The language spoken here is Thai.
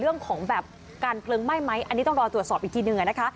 เรื่องของการเปลืองไหมอันนี้ต้องรอตรวจสอบอีกทีหนึ่ง